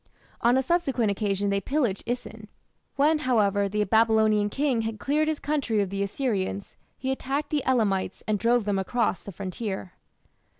On a subsequent occasion they pillaged Isin. When, however, the Babylonian king had cleared his country of the Assyrians, he attacked the Elamites and drove them across the frontier.